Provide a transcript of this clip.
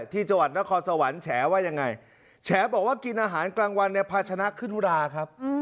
ที่จังหวัดนครสวรรค์แฉว่ายังไงแฉบอกว่ากินอาหารกลางวันเนี่ยพาชนะขึ้นราครับ